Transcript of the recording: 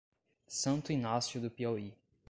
Santo Inácio do Piauí